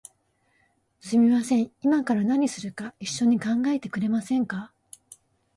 すみません、いまから何するか一緒に考えてくれませんか？